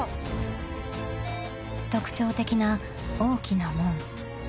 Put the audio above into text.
［特徴的な大きな門］